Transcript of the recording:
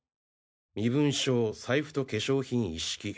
身分証財布と化粧品一式